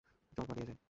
চল পালিয়ে যাই।